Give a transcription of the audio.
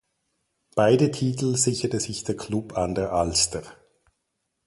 Beide Titel sicherte sich der Club an der Alster.